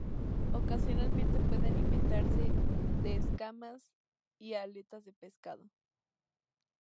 Ocasionalmente, puede alimentarse de escamas y aletas de pescado.